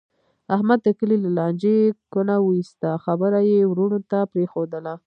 احمد د کلي له لانجې کونه و ایستله. خبره یې ورڼو ته پرېښودله.